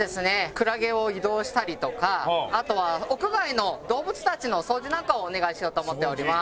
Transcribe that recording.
クラゲを移動したりとかあとは屋外の動物たちの掃除なんかをお願いしようと思っております。